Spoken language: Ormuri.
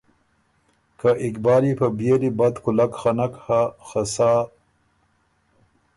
که اقبال يې په بيېلی بد کُولک خه نک هۀ خه سا